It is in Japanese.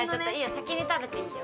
先に食べていいよ。